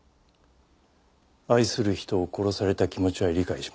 愛する人を殺された気持ちは理解します。